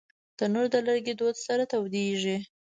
تنور د لرګي دود سره تودېږي